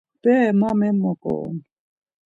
Bere ma memoǩorun.